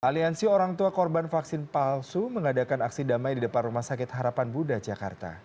aliansi orang tua korban vaksin palsu mengadakan aksi damai di depan rumah sakit harapan buddha jakarta